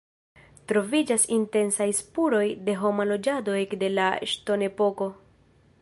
Troviĝas intensaj spuroj de homa loĝado ekde la ŝtonepoko.